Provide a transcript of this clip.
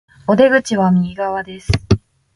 お出口は右側です